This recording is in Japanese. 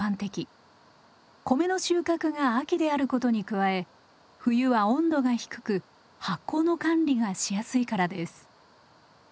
米の収穫が秋であることに加え冬は温度が低く発酵の管理がしやすいからです。